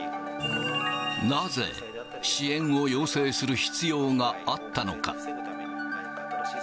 なぜ、支援を要請する必要があったのか。